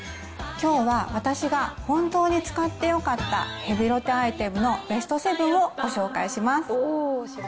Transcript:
きょうは私が本当に使ってよかった、ヘビロテアイテムのベスト７をご紹介します。